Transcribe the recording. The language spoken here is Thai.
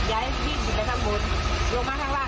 แล้วเขาก็ยินเขาก็ไปดู